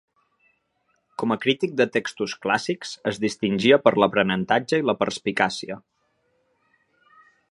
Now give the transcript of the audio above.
Com a crític de textos clàssics, es distingia per l'aprenentatge i la perspicàcia.